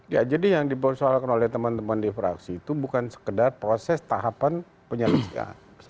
ya jadi yang dipersoalkan oleh teman teman di fraksi itu bukan sekedar proses tahapan penyelidikan